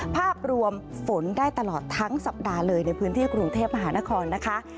ภาพรวมฝนได้ตลอดทั้งสัปดาห์เลยในพื้นที่กรุงเทพมหานครนะคะ